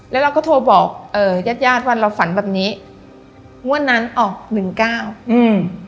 แล้วเราก็โทรบอกเอ่อญาติญาติว่าเราฝันแบบนี้งวดนั้นออกหนึ่งเก้าอืม